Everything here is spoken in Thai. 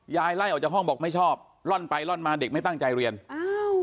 ไล่ออกจากห้องบอกไม่ชอบล่อนไปล่อนมาเด็กไม่ตั้งใจเรียนอ้าว